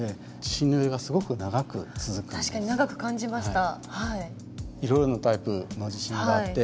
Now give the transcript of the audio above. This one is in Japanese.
確かに長く感じました。